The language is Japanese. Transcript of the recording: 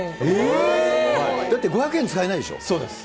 だって５００円使えないでしそうです。